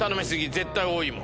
絶対多いもん。